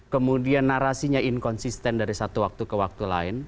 kemudian narasinya inkonsisten dari satu waktu ke waktu lain